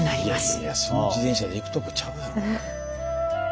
いやいや自転車で行くとこちゃうやろ。